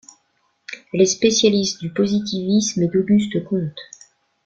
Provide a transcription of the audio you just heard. Elle est spécialiste du positivisme et d'Auguste Comte.